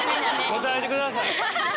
答えてください。